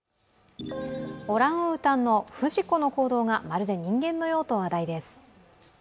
オランウータンのフジコの行動がまるで人間の用途話題です。